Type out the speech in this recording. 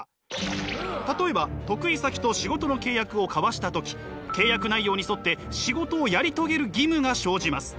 例えば得意先と仕事の契約を交わした時契約内容に沿って仕事をやり遂げる義務が生じます。